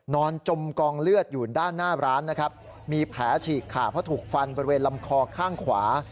จมกองเลือดอยู่ด้านหน้าร้านนะครับมีแผลฉีกขาเพราะถูกฟันบริเวณลำคอข้างขวา